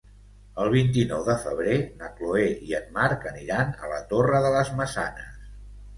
El vint-i-nou de febrer na Chloé i en Marc aniran a la Torre de les Maçanes.